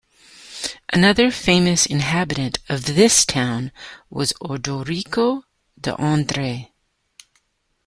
Another famous inhabitant of this town has Odorico D'Andrea.